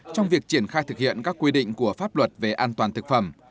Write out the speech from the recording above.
trong việc triển khai thực hiện các quy định của pháp luật về an toàn thực phẩm